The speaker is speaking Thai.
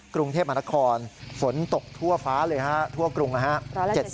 กรุงเทพมหานครฝนตกทั่วฟ้าเลยฮะทั่วกรุงนะฮะ